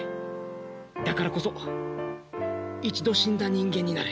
だからこそ一度死んだ人間になれ。